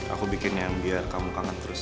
aku bikin yang biar kamu kangen terus